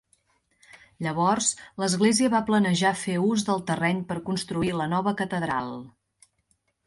Llavors, l'església va planejar fer ús del terreny per construir la nova catedral.